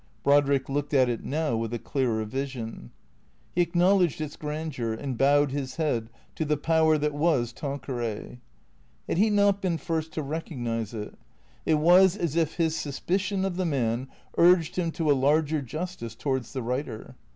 Brodrick looked at it now with a clearer vision. He acknow ledged its grandeur and bowed his head to the power that was Tanqueray. Had he not been first to recognize it? It was as if his suspicion of the man urged him to a larger justice towards the writer.